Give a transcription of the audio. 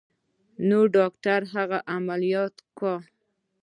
نو ډاکتر هغه عمليات کا.